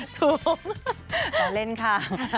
ขอเล่นค่ะ